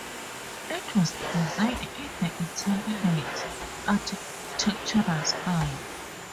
It was designed in the Italianate architectural style.